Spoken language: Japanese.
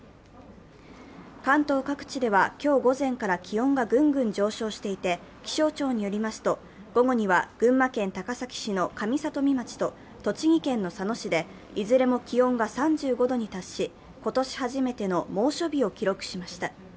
関東各地では今日午前から気温がぐんぐん上昇していて、気象庁によりますと、午後には群馬県高崎市の上里見町と栃木県の佐野市でいずれも気温が３５度に達し、今年初めての猛暑日を記録しました。